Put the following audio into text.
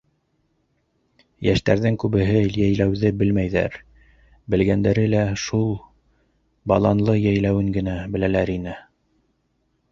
Йәштәрҙең күбеһе йәйләүҙе белмәйҙәр, белгәндәре лә шул Баланлы йәйләүен генә беләләр ине.